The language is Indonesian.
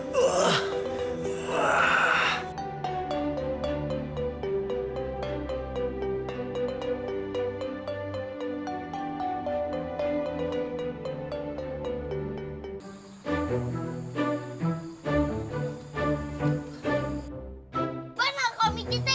benar kau micitin